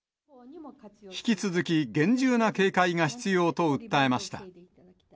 引き続き、厳重な警戒が必要と訴えました。